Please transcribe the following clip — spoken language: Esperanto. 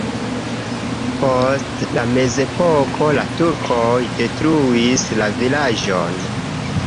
Post la mezepoko la turkoj detruis la vilaĝon.